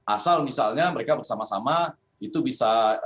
asal misalnya mereka bersama sama itu bisa